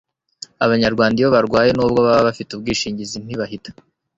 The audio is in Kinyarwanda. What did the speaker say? abanyarwanda iyo barwaye nubwo baba bafite ubwishingizi, ntibahita